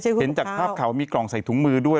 เห็นจากภาพเขามีกล่องใส่ถุงมือด้วย